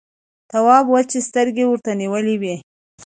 تواب وچې سترګې ورته نيولې وې…